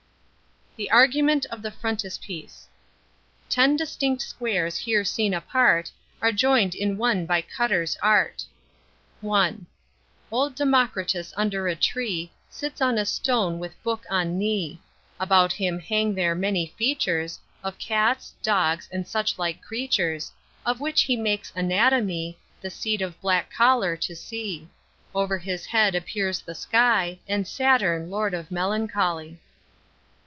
THE ARGUMENT OF THE FRONTISPIECE. Ten distinct Squares here seen apart, Are joined in one by Cutter's art. I. Old Democritus under a tree, Sits on a stone with book on knee; About him hang there many features, Of Cats, Dogs and such like creatures, Of which he makes anatomy, The seat of black choler to see. Over his head appears the sky, And Saturn Lord of melancholy.